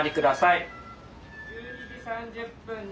１２時３０分に。